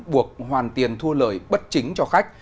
buộc hoàn tiền thua lợi bất chính cho khách